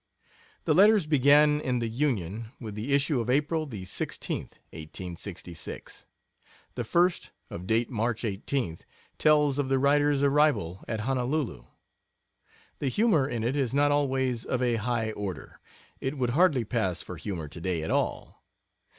The letters began in the Union with the issue of April the 16th, 1866. The first of date March 18th tells of the writer's arrival at Honolulu. The humor in it is not always of a high order; it would hardly pass for humor today at all.